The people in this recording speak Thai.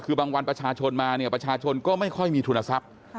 คือบางวันประชาชนมาเนี่ยประชาชนก็ไม่ค่อยมีทุนทรัพย์